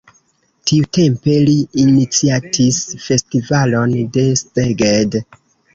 Tiutempe li iniciatis festivalon de Szeged.